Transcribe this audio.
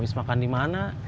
abis makan dimana